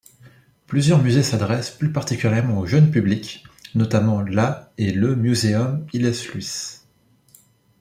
Plusieurs musées s'adressent plus particulièrement au jeune public, notamment la et le Museum Hillesluis.